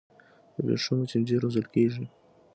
د ورېښمو چینجي روزل کیږي؟